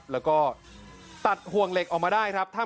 แล้วก็ตัดเหล็กออกไปได้